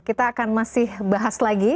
kita akan masih bahas lagi